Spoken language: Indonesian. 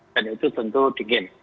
dan itu tentu dingin